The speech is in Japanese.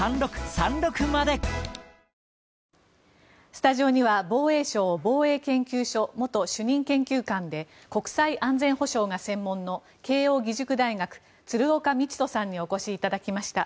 スタジオには防衛省防衛研究所元主任研究官で国際安全保障が専門の慶應義塾大学、鶴岡路人さんにお越しいただきました。